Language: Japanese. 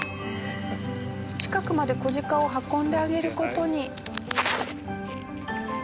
近くまで子鹿を運んであげる事に。